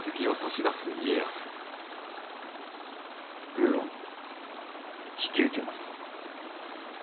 無論引き受けますぞ。